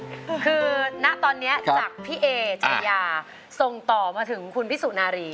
คือณตอนนี้จากพี่เอชายาส่งต่อมาถึงคุณพี่สุนารี